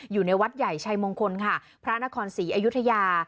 อยู่ในวัดใหญ่ชัยมงคลค่ะพระนครศรีอยุธยา